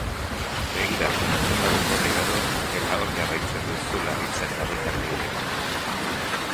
Begira, zenbat denbora igaro eta hor jarraitzen du zu larritzen larrutan egiteko.